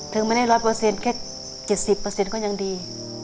ถึงไม่ได้ร้อยเปอร์เซ็นต์แค่๗๐เปอร์เซ็นต์ก็ยังดี